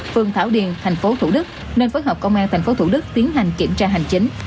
phường thảo điền thành phố thủ đức nên phối hợp công an tp thủ đức tiến hành kiểm tra hành chính